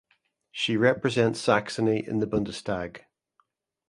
She represents Saxony in the Bundestag.